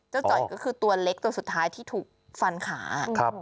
จ่อยก็คือตัวเล็กตัวสุดท้ายที่ถูกฟันขา